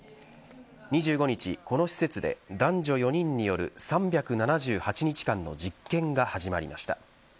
２５日この施設で男女４人による３７８日間の実験が始まりました。